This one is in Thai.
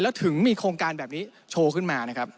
แล้วถึงมีโครงการแบบนี้โชว์ขึ้นมานะครับ